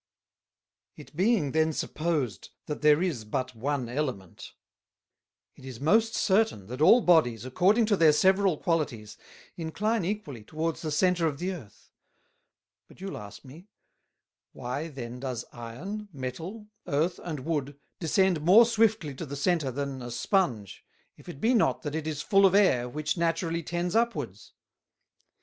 "It being then supposed, that there is but one Element; it is most certain, that all Bodies, according to their several qualities, incline equally towards the Center of the Earth. But you'll ask me, Why then does Iron, Metal, Earth and Wood, descend more swiftly to the Center than a Sponge, if it be not that it is full of Air which naturally tends upwards?